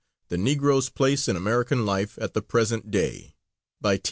The Negro's Place in American Life at the Present Day BY T.